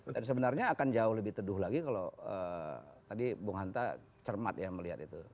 dan sebenarnya akan jauh lebih teduh lagi kalau tadi bung hanta cermat ya melihat itu